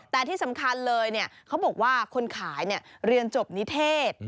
แต่ที่สำคัญเลยเขาบอกว่าคนขายเรียนจบนิเทศ